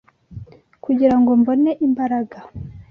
kugira ngo mbone imbaraga